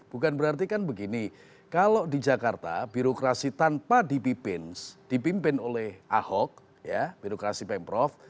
bukan berarti kan begini kalau di jakarta birokrasi tanpa dipimpin dipimpin oleh ahok ya birokrasi pemprov